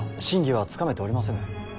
真偽はつかめておりませぬ。